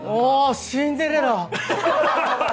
シンデレラ。